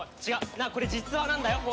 なあこれ実話なんだよ宝